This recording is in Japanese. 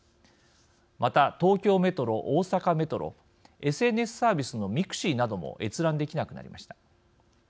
また、東京メトロ、大阪メトロＳＮＳサービスのｍｉｘｉなども閲覧できなくなりました。